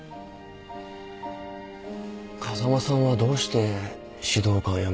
風間さんはどうして指導官辞めたのかな？